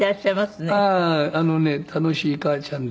あのね楽しい母ちゃんで。